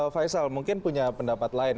faisal mungkin punya pendapat lain